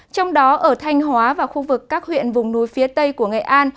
trong đó ở thanh hóa và khu vực các huyện vùng núi phía tây của nghệ an